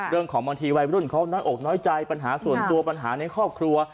บางทีวัยรุ่นเขาน้อยอกน้อยใจปัญหาส่วนตัวปัญหาในครอบครัว